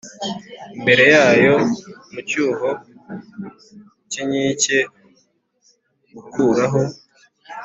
imbere yayo mu cyuho cy inkike Gukuraho